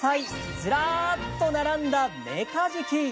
ずらっと並んだメカジキ。